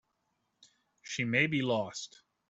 She may be lost.